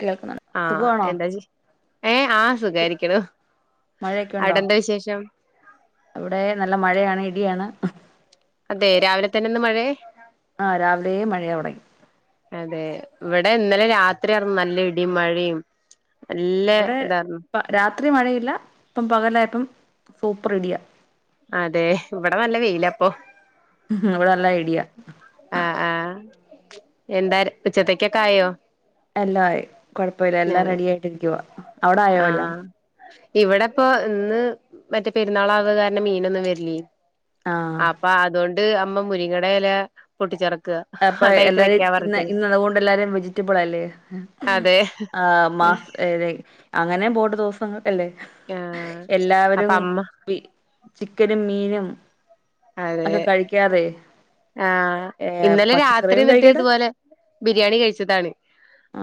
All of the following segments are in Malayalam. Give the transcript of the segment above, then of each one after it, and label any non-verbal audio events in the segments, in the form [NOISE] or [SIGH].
കേൾക്കണം ആഹ് എന്താച്ച ഏ ആഹ് സുഖാരിക്ക്ണു മഴയൊക്കെ ഉണ്ടോ അവിടെന്താ വിശേഷം അവിടെ നല്ല മഴയാണ് ഇടിയാണ് അതെ രാവിലത്തന്നെന്ന് മഴേ ആഹ് രാവിലേ മഴയാവൊടങ്ങി അതേ ഇവിടെ ഇന്നലെ രാത്രിയാറ്ന്ന്‌ നല്ല ഇടിയും മഴയും നല്ല ഇതാർന്ന്‌ പ രാത്രി മഴയില്ല ഇപ്പം പകലായപ്പം സൂപ്പറിടിയാ അതേ ഇവിടെ നല്ല വെയിലപ്പം ഇവിടെ നല്ല ഇടിയ ആ ആഎന്താര് ഉച്ചത്തെക്കൊക്കെ ആയോ? എല്ലായി കൊഴപ്പല്ല എല്ലാം അതെ റെഡിയാ യിട്ടിരിക്കുവ ആഹ് ഇവിടെപ്പൊ ഇന്ന് മറ്റേ പെരുന്നാളാകുക കാരണം മീനൊന്നും വരില്ലേ ആഹ് പ്പ അതുകൊണ്ട് അമ്മ മുരിങ്ങടെ ഇല പൊട്ടിച്ചടക്ക അപ്പ എല്ലാരും ഇന്ന് ഇന്ന് അതുകൊണ്ട് എല്ലാരും വെജിറ്റബിളാ ല്ലേ അതെ ആഹ് മാസ് ഏരേ അങ്ങനേം പോട്ട് ദിവസങ്ങൾ അല്ലേ ആഹ് എല്ലാവരും അപ്പൊ അമ്മ ബി ചിക്കനും മീനും അതെ ഒക്കെ കഴിക്കാതെ ആഹ് ഏ ഇന്നലെ രാത്രി പച്ചക്കറിയും എന്നിട്ട് കഴിക്കട്ടെ ഇതുപോലെ ബിരിയാണി ഉം കഴിച്ചതാണ്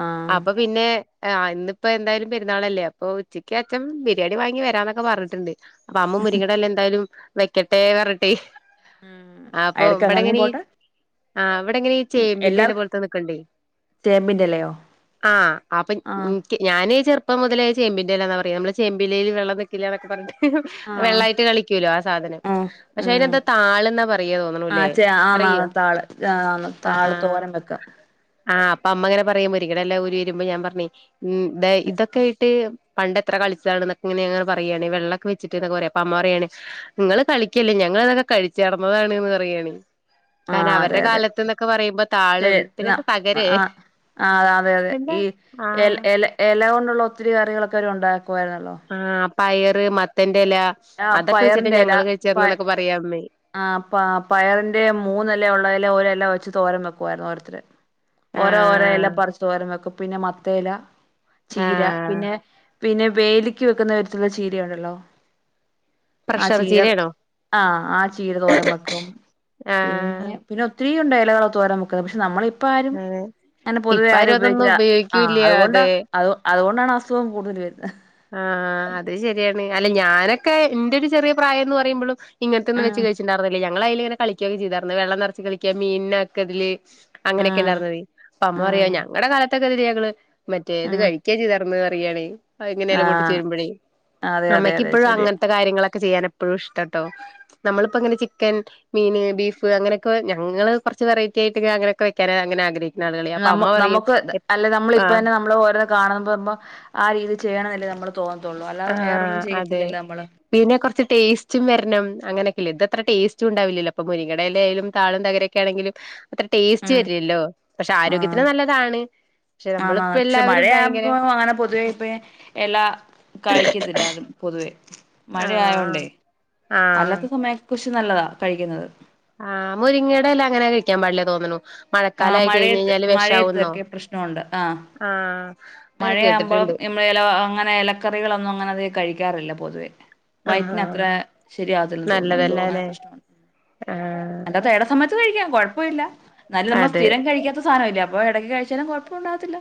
ആഹ് അപ്പൊ പിന്നെ ആഹ് ഇന്നിപ്പോ എന്തായാലും പെരുന്നാളല്ലേ അപ്പൊ ഉച്ചക്ക് അച്ഛൻ ബിരിയാണി വാങ്ങി വരാന്നൊക്കെ പറഞ്ഞിട്ടുണ്ട് അപ്പൊ അമ്മ മുരിങ്ങേട എല എന്തായാലും വെക്കട്ടെ പറഞ്ഞിട്ടെ ഉം അപ്പൊ എടക്ക് അങ്ങനെം ഇവിടെങ്ങനെ ഈ പോട്ടെ ആഹ് അവിടെങ്ങനെ ഈ ചേമ്പിൻ്റെല എല്ലാർക്കും പോലത്തെ നിൽക്കണ്ടേ ചേമ്പിന്റെലയോ ആഹ് അപ്പൊ ആഹ് ഉം ഞാനീ ചെറുപ്പം മുതലേ ചേമ്പിന്റെലാന്നാ പറയാ നമ്മള് ചേമ്പിലയിൽ വെള്ളം നിൽക്കില്ല എന്നൊക്കെ പറഞ്ഞിട്ട് ആഹ് വെള്ളായിട്ട് കളിക്കൂല്ലോ ആഹ് സാധനം ഉം പക്ഷെ അതിന് എന്തോ താള്ന്നാ പറയാ തോന്നണൂ ആണാണ് താള് ആഹ് താള് ആഹ് തോരം വെക്കാം ആഹ് അപ്പൊ അമ്മയിങ്ങനെ പറയും മുരിങ്ങൻ്റെ എല ഊരി വരുമ്പോ ഞാൻ പറഞ്ഞേ ഉം ദേ ഇതൊക്കെയിട്ട് പണ്ട് എത്ര കളിച്ചതാണ് എന്നൊക്കെ ഇങ്ങനേ പറയാണ് വെള്ളൊക്കെ ഒഴിച്ചിട്ട് ന്ന് പറയാ അപ്പൊ അമ്മ പറയാണ് നിങ്ങള് കളിക്കല്ലേ ഞങ്ങള് ഇതൊക്കെ കഴിച്ചാർന്നതാണ്ന്ന് പറയാണ് കാരണം ആഹ് അതെ അവരുടെ അതെ കാലത്ത്ന്നൊക്കെ പറയുമ്പോ താളും ശരി ന്നാ പിന്നെന്താ തകരെയെ ആഹ് ആഹ് അതെ അതെ ഈ എല എല എല കൊണ്ടുള്ള ഒത്തിരി കറികളൊക്കെ അവര് ഉണ്ടാക്കുവാരുന്നല്ലോ ആഹ് പയറ് മത്തന്റെ എല ആഹ് അതൊക്കെ വെച്ചിട്ട് ഞങ്ങള് കഴിച്ചിരുന്ന എന്നൊക്കെ പറയുവേ അമ്മയെ ആഹ് പ പയറിന്റെ മൂന്നെല ഉള്ളതില് ഒരെല വെച്ച് തോരം വെക്കുവായിരുന്നു ഓരോരുത്തര് ഓരോ ഓരോ എല ആഹ് പറിച്ചിട്ട് തോരം വെക്കും പിന്നെ മത്തഎല ചീര ആഹ് പിന്നെ പിന്നെ വേലിക്ക് വെക്കുന്ന വിധത്തിലുള്ളൊരു ചീര ഉണ്ടല്ലോ ആഹ് പ്രഷർ ചീര ചീരയാണോ ആഹ് ആഹ് ചീര തോരം വെക്കും ആഹ് പിന്നെ പിന്നെ ഒത്തിരി ഉണ്ട് ഇലകളൊ തോര വെക്കുന്നത് പക്ഷെ നമ്മളി പ്പാരും അതെ അങ്ങനെ പൊതുവെ ഇപ്പ ആരും അതൊന്നും ഉപയോഗിക്കില്ല ആഹ് ഉപയോഗിക്കൂല്ല അതുകൊണ്ടാ അതെ അത് അതുകൊണ്ടാണ് അസുഖം കൂടുതൽ വരുന്നത് ആഹ് അത് ശരിയാണ് അല്ല ഞാനൊക്കെ ഇന്റെരു ചെറിയ പ്രായംന്ന് പറയുമ്പോളും ഇങ്ങനെതൊന്നും ഉം വെച്ച് കഴിച്ചിണ്ടായിരുന്നില്ല ഞങ്ങള് അതിലിങ്ങനെ കളികൊക്കെ ചെയ്തായിരുന്നു വെള്ളം നിറച്ച് കളിക്കുക മീനിനെ ഒക്കെ അതില് അങ്ങനെയൊക്കെ ഉം ഉണ്ടായിരന്നത് അപ്പ അമ്മ പറയ ഉം ഞങ്ങളടെ കാലത്തൊക്കെ ഇതിന് ഞങ്ങള് മറ്റേ ഇത് ഉം കഴിക്കാ ചെയ്താർന്ന് പറയാണ് ഇങ്ങനെല ആ പൊട്ടിച്ച് വരുമ്പോഴേ അതെ അതെ അതെ അമ്മക്കിപ്പോഴും ശരിയാ അങ്ങനത്തെ കാര്യങ്ങളൊക്കെ ചെയ്യാൻ ഇപ്പോഴും ഇഷ്ടട്ടോ നമ്മളിപ്പോ ഇങ്ങനെ ചിക്കൻ മീന് ബീഫ് അങ്ങനെയൊക്കെ ഞങ്ങള് കുറച്ച് വെറൈറ്റി ആയിട്ട് അങ്ങനൊക്കെ വെക്കാനാ അങ്ങനെ ആഗ്രഹി നമ നമുക്ക് അല്ലെ ആഹ് നമ്മളിപ്പന്നെ നമ്മള് ഓരോ കാണ പറുമ്പോ ആ രീതി ചെയ്യണ കാണുമ്പോ മ്പൊ ആഹ് രീതിയിൽ ചെയ്യണം എന്നല്ലേ നമ്മൾ തോന്നത്തുള്ളൂ അല്ലതെ വേറൊന്നും ആഹ് അതെ ചെയ്യത്തില്ലല്ലോ നമ്മള് പിന്നെ കുറച്ച് ടേസ്റ്റും വരണം അങ്ങനൊക്കില്ലെ ഇത് അത്ര ടേസ്റ്റ് ഉണ്ടാവില്ലല്ലോ ഇപ്പ മുരിങ്ങയിടെയില ആയാലും താളും തകരെ ക്കെ ആണെങ്കിലും അത്ര ടേസ്റ്റ് ഉം വരില്ലല്ലോ പക്ഷെ ആഹ് ആരോഗ്യത്തിന് നല്ലതാണ് പക്ഷെ ആന്നാ നമ്മളിപ്പോ പക്ഷെ എല്ലാവരും ഭയങ്കര മഴയാകുമ്പോ അങ്ങനെ പൊതുവേ ഇപ്പ എല കായിക്കത്തില്ല അതും പൊതുവേ ആഹ് മഴയായോണ്ടേ ആഹ് അല്ലാത്ത സമയം പുഷ് നല്ലതാ കഴിക്കുന്നത് ആഹ് മുരിങ്ങേടെ എല അങ്ങനെ കഴിക്കാൻ പാടില്ല തോന്നണു ആഹ് മഴക്കാലായി മഴയത്ത് കഴിഞ്ഞഴിഞ്ഞാല് വിഷാവുന്നോ മഴയത്തൊക്കെ പ്രശ്നമുണ്ട് ആഹ് ആഹ് അങ്ങനെ കേട്ടിട്ടുണ്ട് എല അങ്ങനെ ഇലക്കറികളൊന്നും അങ്ങനെ അധികം കഴിക്കാറില്ല പൊതുവെ വയറ്റിന് അത്ര ആഹ് ശെരിയാകത്തില്ലന്ന് തോന്നുന്നു എന്തോ അങ്ങനെ നല്ലതല്ലാല്ലേ പ്രശ്നം ആഹ് എന്റെത്തെട സമയത്ത് കഴിക്കാം കൊഴപ്പില്ല ന്നാലും നമ്മൾ അതെ സ്ഥിരം കഴിക്കാത്ത സാനവല്ലെ അപ്പൊ എടക്ക് കഴിച്ചാലും കൊഴപ്പം ഉണ്ടാവത്തില്ല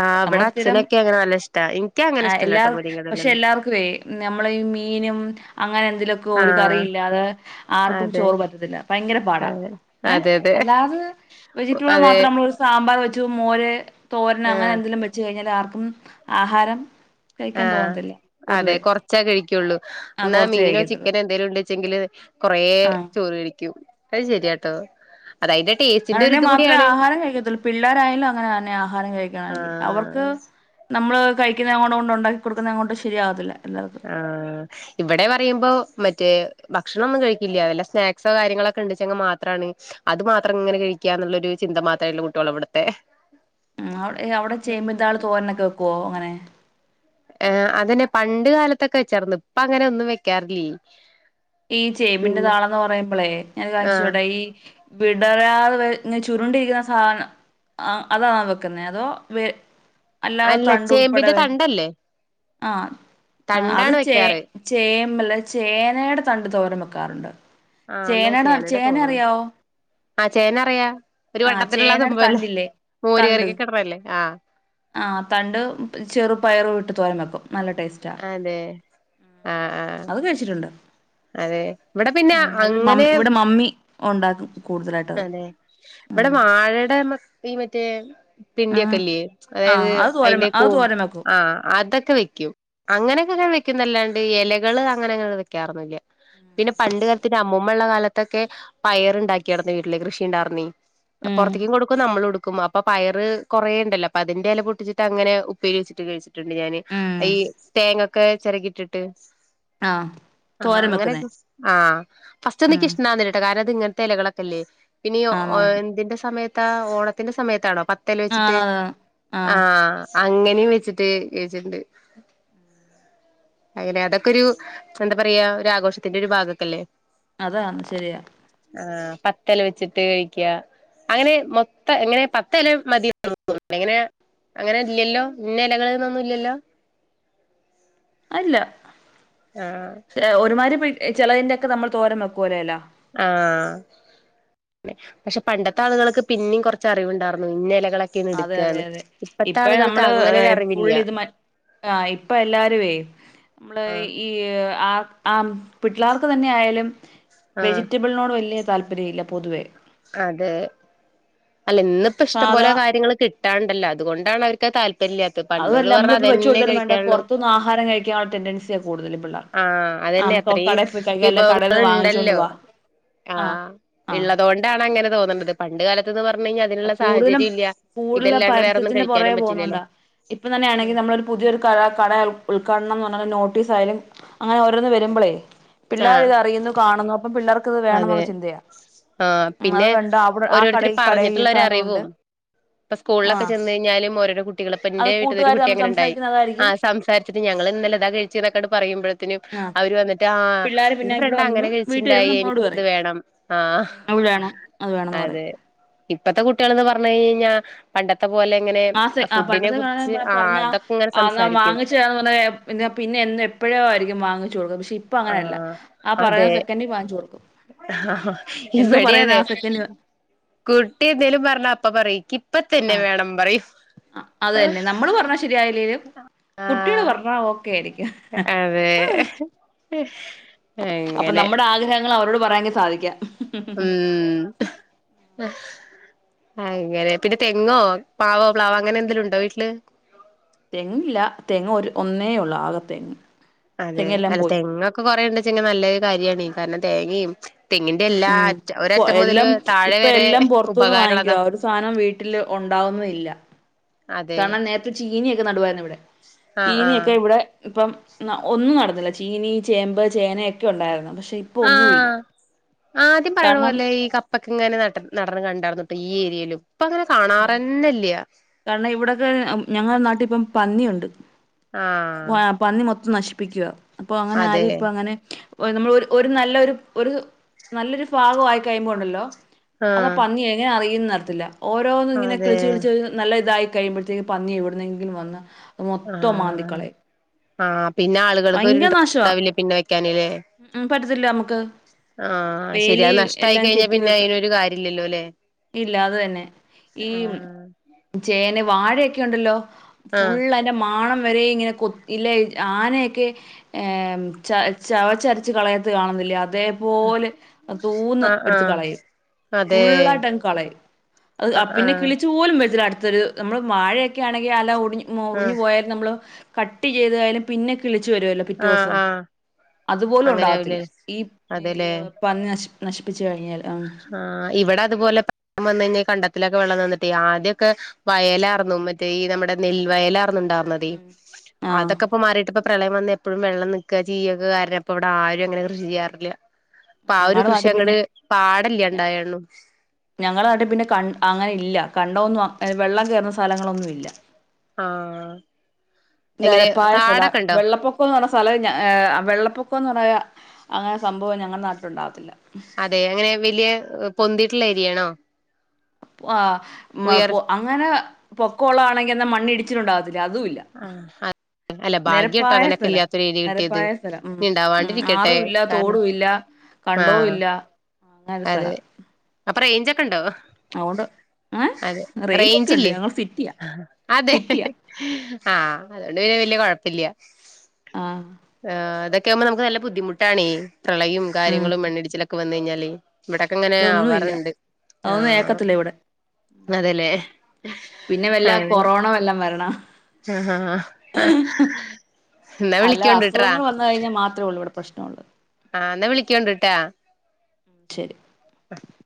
ആഹ് ഇവിടെ നമ്മള് സ്ഥിരം അച്ഛനൊക്കെ അങ്ങനെ നല്ല ഇഷ്ടാ എനിക്ക് അങ്ങനെ ആഹ് എല്ലാ ഇഷ്ടല്ലട്ടോ മുരിങ്ങയില പക്ഷെ ഒന്നും എല്ലാർക്ക് വേ നമ്മളെ ഈ മീനും അങ്ങനെ എന്തേലെക്കൊരു ആഹ് കറിയില്ലാതെ ആർക്കും അതെ ചോറ് പറ്റത്തില്ല ഭയങ്കര പാടാ അതെ ഏഹ് അതെ അതെ അല്ലാത് വെജിറ്റബ്ള് അതെ മാത്രം നമ്മ്ള് സാമ്പാറ് വെച്ചു മോര് തോര്നങ്ങനെ ആഹ് എന്തെലും വെ ച്ച് കഴിഞ്ഞാലും ആർക്കും ആഹാരം കഴിക്കാൻ ആഹ് തോന്നത്തില്ല അതെ പൊതുവേ കൊറച്ചേ കഴിക്കൊള്ളൂ ആ ഇന്നാ കുറച്ചേ മീനോ കഴിക്കത്തുള്ളൂ ചിക്കനോ എന്തേലും ഇണ്ട് ച്ചെങ്കില് കൊറേ ആഹ് ചോറ് കഴിക്കും അത് ശരിയാട്ടോ അതയ്ന്റെ അതുണ്ടേ മാത്രേ ആഹാരം കഴിക്കയ്ത്തൊള്ളൂ പിള്ളോരായാലും അങ്ങനെ തന്നെ ആഹാരം കഴിക്കണവെങ്കില് അവർക്ക് ആഹ് നമ്മള് കഴിക്ക്യുന്നെ അങ്ങോട്ടൊണ്ട് ഉണ്ടാക്കി കൊടുക്കുന്നെ അങ്ങോട്ട് ശരിയാവത്തില്ല എല്ലാവർക്കും ഇവ്വടെ പറയുമ്പോ മറ്റേ ഭക്ഷണൊന്നും കഴിക്കില്ല്യ വല്ല സ്നാക്സോ കാര്യങ്ങളൊക്കെ ഇണ്ട്ച്ചെങ്ക മാത്രാണ് അത് മാത്രം ഇങ്ങനെ കഴിക്കാന്ന്ള്ള ഒരു ചിന്ത മാത്രം ഇല്ല കുട്ട്യോളാ ഇവ്ട്ത്തെ ഉം അവ് ഏ അവ്ടെ ചേമ്പിൻ താള് തോരനൊക്കെ വെക്കോ ഇങ്ങനെ എഹ് അതന്നെ പണ്ട് കാലത്തൊക്കെ വെച്ചാറ്ന്ന് ഇപ്പ അങ്ങനെ ഒന്നും വെക്കാറില്ല്യേയ് ഈ ചേമ്പിന്റെ താളെന്ന് പറയുമ്പളേ ഞാൻ ഒരു കാര്യം ആഹ് ചോയ്ക്കട്ടെ ഈ വിടരാതെ വെഹ് ഇങ്ങനെ ചുരുണ്ടിരിക്കുന്ന സാധനം അ അതാണോ വെക്കുന്നഹ് അതോ വേ അല്ലാതെ അല്ല തണ്ട് ചേമ്പിന്റെ ഉൾപ്പെടെള്ളഹ് തണ്ടല്ലേ ആഹ് ആഹ് അത് തണ്ടാണ് ചേ വെക്കാറ് ചേമല്ല ചേനേടെ തണ്ട് തോരം വെക്കാറ്ണ്ട് ആഹ് എന്നാ ചേനടെ അർ ചേനയുടെ ചേന തോന്നുന്നു അറിയാവോ ആഹ് ചേന അറിയാ ഒര് ആഹ് വട്ടത്തില്ള്ളാ ആ ചേനയുടെ സംഭവല്ലേ തണ്ടില്ലേ മോര് കറിക്കെക്കെ ഇട്ണഹ് അല്ലേ ആഹ് അഹ് തണ്ട് ചെറു പയറു ഇട്ട് തോരൻ വെക്കും നല്ല ടേസ്റ്റാ അതെ ആഹ് അത് കഴിച്ചിട്ടുണ്ട് അതേ ഇവടെ പിന്നെ ഉം ഇവിടെ അങ്ങനെ മമ്മി ഇവിടെ മമ്മി ഉണ്ടാക്കും കൂടുതലായിട്ടത് അതേ ഇവടെ ഉം വാഴടെ മ ഈ മറ്റേ ഉം പിണ്ടിയൊക്കെല്ല്യേ അതായത് ആഹ് അത് തോരൻ അയ്ന്റെ അത് കൂം തോരൻ വെക്കും ആഹ് അതൊക്കെ വെക്ക്യും അങ്ങനെയൊക്കെ ഇങ്ങനെ വെക്കുന്നല്ലാണ്ട് എലകള് അങ്ങനഅങ്ങനെണ്ട് വെക്കാറൊന്നു ഇല്ല്യ പിന്നെ പണ്ട് കാൽത്തെന്റെ അമ്മുമ്മ ഉള്ള കാലത്തൊക്കെ പയറ് ഇണ്ടാക്കിയാര്ന്നേ വീട്ടില് കൃഷി ഇണ്ടാർന്നേ അഹ് ഉം പൊറത്ത്യ്ക്കും കൊടുക്കും നമ്മളു ഇട്ക്കും അ പ്പ പയറ് കുറേ ഇണ്ടല്ലോ അപ്പ അതിന്റെ എല പൊട്ടിച്ചിട്ട് അങ്ങനെ ഉപ്പേരി വെച്ചിട്ട് കഴിച്ച്ട്ട്ണ്ട് ഞാന് ഉം ഈ തേങ്ങൊക്കെ ചെരകിട്ട്ട്ട് ആഹ് ആഹ് തോരൻ അങ്ങനെക്കെ വെക്കുന്നേ വെച്ച് ആഹ് ഉം ഫസ്റ്റ്ഒന്നുഇക്ക് ഇഷ്ടണ്ടാർന്നില്ല ട്ടോ കാരണം ഇത് ഇങ്ങൻത്തെ എലകളൊക്കെല്ലേ പിന്നെ ഈ ഒ എഹ് ആന്നാന്ന് എന്തിന്റെ സമയത്താ ഓണത്തിന്റെ സമയത്താണോ പ ത്തെല വെച്ച്ട്ട് ആന്നാന്ന് ആഹ് അങ്ങനെയും വെച്ച്ട്ട് കെഴ്ച്ച്ട്ട്ണ്ട് അങ്ങനെ അതൊക്കൊരു എന്താ പറയാ ഒരു ആഘോഷത്തിന്റെ ഒരു ഭാഗൊക്കല്ലേ അതാണ് ശെരിയാ ആഹ് പത്തെല വെച്ചിട്ട് കഴിക്ക്യാ അങ്ങനെ മൊത്ത എങ്ങനെ പത്തെല മതി [UNINTELLIGIBLE] എങ്ങനേ അങ്ങനെ ഇല്ല്യല്ലോ ഇന്ന എലകള് ന്നൊന്നും ഇല്ല്യല്ലോ അഹ് ഇല്ല ആഹ് ഒരുമാരി പെട്ട് ചെലതിന്റെ ഒക്കെ നമ്മൾ തോരം വെക്കോലോ എല ആഹ് ന്നെ പക്ഷെ പണ്ടത്തെ ആള്കള്ക്ക് പിന്നിം കൊർച്ച് അറിവ് ഇണ്ടാർന്നു ഇന്ന എലകളൊ അതെ അതെ അതെ ഇപ്പെ നമ്മള് അങ്ങനെ ഒരു അറിവില്ല ഫുള്ള് ഇത് മറ്റേ ആഹ് ഇപ്പൊ എല്ലാരുമവേ നമ്മള് ആ ഈ ഈ ആം ആം പിള്ളേർക്ക് തന്നെ ആയാലും ആ വെജിറ്റബ ങ്ങളോട് വല്യ താല്പര്യ ഇല്ല പൊതുവേ അതെ അല്ല ഇന്നിപ്പോ ഇഷ്ടം പോലെ സാധാ കാര്യങ്ങൾ കിട്ട കിട്ടാണ്ടല്ലോ അതുകൊണ്ടാണ് അവർക്ക് താല്പര്യല്ല അതുമല്ല നമ്മളിപ്പോ വെച്ച കൊടുത്താലും വേണ്ട പുറത്തൊന്നന്ന് ആഹാരം കഴിക്കാനുള്ള ടെന്റൻസിയാ കൂടുതൽ പിള്ളേ ആഹ് അതന്നെ അത്രീം വിഭവങ്ങൾ കടേന്ന് വാങ്ങിച്ചോണ്ട് ഇണ്ടല്ലോ വാ ആഹ് ആഹ് ഉള്ളതൊണ്ടാണ് അങ്ങനെ തോന്നണത് പണ്ട് കാലത്ത്ന്ന് പറഞ്ഞു കഴിഞ്ഞാൽ അതിനുള്ള കൂടുതലും സാഹചര്യം ഇല്ല കൂടുതൽ ഇതല്ലാണ്ട് വേറെൊന്നും കഴിക്കാനും പറ്റില്ലല്ലോ ഇപ്പം തന്നെയാണെങ്കിൽ നമ്മളൊ ഒരു പുതിയൊരു കട കട ഉദ്ഘാടനം എന്ന് പറഞ്ഞ നോട്ടീസ് ആയാലും അങ്ങനെ ഓരോന്ന് വരുമ്പോളേ ആ പിള്ളേർ ഇത് അറിയുന്നു കാണുന്നു അപ്പം പിള്ളേർക്ക് ഇത് വേണം അതെ എന്നുള്ള ചിന്തയാ ആ ഉം അത് പിന്നെ വേണ്ട അവിടെ ആ കട ഓരോരുത്തർ ഈ കട ഈ പറഞ്ഞിട്ടുള്ള ഒരറി സാധനമുണ്ട് റിവും ഇപ്പെ ആ സ്കൂളിലൊക്കെ ചെന്ന്കയിഞ്ഞാല് ഓരോരോ കുട്ടി അത് കുട്ടികളപ്പൻന്റെ വീട്ടിൽ ഒരു കൂട്ടുകാർ കുട്ടി തമ്മിൽ അങ്ങന ഉണ്ടായി സംസാരിക്കുന്ന ആ അതായിരിക്കും സംസാരിച്ചിട്ട് ഞങ്ങള് ഇന്നലെതാ കഴിച്ചി ഇന്നൊക്കെ പറയുമ്പൊഴത്തിന് ആഹ് അവര് വന്നിട്ട് ആഹ് ആഹ് ഇന്റെ ഫ്രണ്ട് അങ്ങനെ വീട്ടിൽ വരുമ്പോൾ കഴിച്ചിട്ടുണ്ടായി എനിക്ക് നമ്മളോട് അത് പറയും വേണം ആഹ് അത് വേണം അത് വേണംന്ന് പറയും അതെ ഇപ്പത്തെ കുട്ടികളന്ന് പറഞ്ഞ് കഴിഞ്ഞാൽ പണ്ടത്തെ പോലെ ഇങ്ങനെ ആ സെ ആ ഫുഡിനെ പണ്ടത്തെ കുറിച്ച് ആഹ് അതൊക്കെ ഇങ്ങനെ സംസാരിക്കും ന്ന് പറഞ്ഞ പിന്നെ പിന്നെ എനും എപ്പോഴോയിരിക്കും വാങ്ങിച്ചു കൊടുക്കും പക്ഷെ ഇപ്പൊ അങ്ങനല്ല ആഹ് ആ പറയുന്ന അതെ സെക്കൻഡിൽ വാങ്ങിച്ചു കൊടുക്കും എന്തോ ഇവിടെ പറയുന്ന അതെ ആ സെക്കൻഡ് കുട്ടി എന്തേലും പറഞ്ഞ അപ്പം പറയും ഇക്കി ഇപ്പ ആ തന്നെ വേണം പറയും ആ അത് തന്നെ നമ്മള് പറഞ്ഞാ ശരിയല്ലേലും കുട്ടികള് പറഞ്ഞ ഓക്കെ ആയിരിക്കും അതേ അപ്പൊ നമ്മുടെ ആഗ്രഹങ്ങൾ അവരോട് പറയാങ്ക സാധിക്കാ ഉം ആ അങ്ങനെ പിന്നെ തെങ്ങോ പാവോ പ്ലാവോ അങ്ങനെ എന്തേലും ഉണ്ടോ വീട്ടില് തെങ്ങില്ല തെങ്ങ് ഒരു ഒന്നേ ഒള്ളു ആകെ തെങ്ങ് അതെ തെങ്ങെല്ലാം അല്ല പോയി തെങ്ങൊക്കെ കൊറേുണ്ടെച്ചെങ്കി നല്ലൊരു കാര്യമാണ് കാരണം തേങ്ങയും തെങ്ങി എല്ലാ ഉം അറ്റ ഒരറ്റ പൊ- മുതല് എല്ലാം താഴെ ഇപ്പൊ വരെ എല്ലാം പുറത്തുന്ന് ഉപകാരുള്ളതാ വാങ്ങിക്കുവാ ഒരു സാധനം വീട്ടില് ഉണ്ടാവുന്നില്ല അതെ കാരണം നേരത്തെ ചീനിയൊക്കെ നടുവായിരുന്നു ഇവിടെ ആഹ് ആഹ് ചീനൊക്കെ ഇവിടെ ഇപ്പം ഒന്നും നടുന്നില്ല ചീനി ചേമ്പ് ചേനയൊക്കെ ഉണ്ടായിരുന്നു പക്ഷെ ഇപ്പം ഒന്നുമില്ല ആഹ് ആദ്യം കാരണം പഴവല്ലേ ഈ കപ്പക്ക് ഇങ്ങനെ നട നടന്ന് കണ്ടായിടന്നുട്ടോ ഈ ഏരിയയില് ഇപ്പ അങ്ങനെ ആ കാണാറന്നല്ല്യ കാരണം ഇവിടൊക്കെ ഞങ്ങള നാട്ടിൽ ഇപ്പം പന്നിയുണ്ട് ആഹ് പന്നി മൊത്തം നശിപ്പിക്കുവ അപ്പൊ അങ്ങനെ ആരെ അതെ ഇപ്പെ അങ്ങനെ ഓ നമ്മൾ ഒരു നല്ല ഒരു ഒരു നല്ലൊരു ഭാഗായി കഴുമ്പോ ഉണ്ടല്ലോ അതാ ആഹ് പന്നി എങ്ങനെ അറിയുന്ന് അർയത്തില്ല ഓരോന്നും ഇങ്ങനെ അതെ കിളിച്ച് കിളിച്ച് നല്ല ഇതായി കഴിയുമ്പോഴത്തേക്കും പന്നി എവിടുന്നെങ്കിലും വന്ന് അത് മൊത്തം ആഹ് മാന്തിക്കളയും ആ പിന്നെ ആള് [UNINTELLIGIBLE] ഭയങ്കര ഇൻട്രസ്റ്റ് നാശമാ ഉണ്ടാവില്ലേ പിന്നെ വെക്കാനല്ലേ ഉം ഉം പറ്റത്തില്ല നമുക്ക് ആഹ് ശരി വേലി അത് എല്ലാം നഷ്ടയിക്കഴിഞ്ഞാ കെറ്റി പിന്നെ വെക്കാം അയിനൊരു കാര്യം ഇല്ലല്ലോ ഇല്ലേ ഇല്ല അത് തന്നെ ഈ ആഹ് ചേന വാഴയൊക്കെ ഉണ്ടല്ലോ ആഹ് ഫുൾ അയ്ന്റെ മാണം വരെ ഇങ്ങനെ കൊ ഇല്ലേ ആനയൊക്കെ ച ചവച്ചരച്ച് കളയത്ത് കാണുന്നില്ല അതേ പോലെ സൂന്ന് ആഹ് എടുത്ത് ആഹ് കളയും അതെ ഫുള്ളായിട്ട് അങ്ങ് കളയും അത് അ ആഹ് പിന്നെ ആഹ് കിളിച്ചു പോലും വച്ച അടുത്തൊരു നമ്മള് വാഴയൊക്കെ ആണെങ്കി അല്ല ഒ ഒടിഞ്ഞു ആഹ് പോയലും നമ്മള് കട്ട് ചെയ്തായാലും പിന്നെ കിളിച്ച് വരുമല്ലോ പിറ്റേ ആഹ് ദിവസം ആഹ് അതുപോലും അങ്ങനെ ഉണ്ടാവത്തില്ല ആവുലേ ഈ അതെല്ലേ പന്നി നശി നശിപ്പിച്ചു കഴിഞ്ഞാൽ ആഹ് ആ ഇവിടെ അതുപോലെ പം വന്ന് കഴിഞ്ഞാൽ കണ്ടത്തിലൊക്കെ വെള്ളം നിന്നിട്ടേ ആദ്യൊക്കെ ഉം വയലാർന്നു മറ്റേ ഈ നമ്മുടെ നെൽവയലർ ണ്ടാർന്നതെ ഉം ആഹ് അതൊക്കെ മാറിട്ട് ഇപ്പം പ്രളയം വന്നെ എപ്പോഴും വെള്ളം നിക്കാ ചെയൊക്കെ കാരണം ഇപ്പ ഇവിടെ ആരും അങ്ങനെ കൃഷി ചെയ്യാറില്ല അപ്പൊ ആ ഒരു ഞങ്ങടെ കൃഷി നാട്ടിൽ അങ്ങട് പിന്നെ പാടല്ല്യണ്ടായണ്ണു ഞങ്ങളെ നട്ടി പിന്നെ കണ്ട അങ്ങനെ ഇല്ല കണ്ട ഒന്നും വെള്ളം കയറുന്ന സ്ഥലങ്ങളൊന്നും ഇല്ല ആഹ് എങ്ങനെ നിരപ്പായ സ്ഥല കാടൊക്കെ ഉണ്ടോ വെള്ളപ്പൊക്ക പൊക്കന്ന് പറഞ്ഞ സ്ഥലം വെള്ളപ്പൊക്കം എന്ന് പറയ അങ്ങനെ സംഭവം ഞങ്ങളുടെ നാട്ടിലുണ്ടാവത്തില്ല അതെ അങ്ങനെ വലിയ പൊന്തിട്ടുള്ള ഏരിയാണോ ഉയർ മൊ അങ്ങനെ പൊക്കോള്ള ആണെങ്കിൽ എന്ന മണ്ണിടിച്ചിട്ടുണ്ടാകത്തില്ലേ അതുംല്ല ആഹ് ആഹ് നിരപ്പായ സ്ഥലം കിട്ടിയത് നിരപ്പായ സ്ഥലം ഉം ഇനി ഉം ഇണ്ടാവാണ്ടിരിക്കട്ടെ ആറും ഇല്ല കാരണം തോടും ഇല്ല കണ്ടോ ആഹ് ഇല്ല അങ്ങനൊരു അതെ സ്ഥലം അപ്പ റേയ്ഞ്ചൊക്കെ ഉണ്ടോ? അതുകൊണ്ട് ഏഹ് അതെ റേഞ്ച് ഒക്കെ ഉണ്ട് റേഞ്ച്ല്ലേ ഞങ്ങൾ സിറ്റിയാ അതെ സിറ്റിയാ ആഹ് അതൊണ്ട് പിന്നെ വല്യ കൊഴപ്പില്ല ആഹ് ആഹ് അതൊക്കെ ആകുമ്പോ നമുക്ക്‌ നല്ല ബുദ്ധിമുട്ടാണെ പ്രളയും ഉം കാര്യങ്ങളും മണ്ണിടിച്ചിലൊക്കെ വന്നു കഴിഞ്ഞാല് ഇവിടൊക്കെങ്ങനെ ഇതൊന്നും ഇല്ല ആവാറുണ്ട് അതൊന്നും ഏക്കത്തില്ല ഇവിടെ ആഹ് അതെല്ലേ പിന്നെ വല്ല ആഹ് കൊറോണ വല്ലം വരണം ആഹ് ആ എന്നാ അല്ല വിളിക്കോണ്ടിട്ട്രാ അസുഖങ്ങൾ വന്ന് കഴഞ്ഞാൽ മാത്രേള്ളൂ ഇവിടെ പ്രശ്നള്ളത് ആഹ് എന്നാ വിളിക്കോണ്ടിട്ടാ ശരി [UNINTELLIGIBLE]